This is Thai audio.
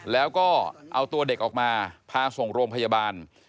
แล้วก็เอาตัวเด็กออกมาพาส่งโรงพยาบาล